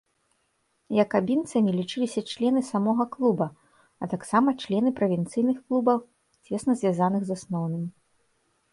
Якабінцамі лічыліся члены самога клуба, а таксама члены правінцыйных клубаў, цесна звязаных з асноўным.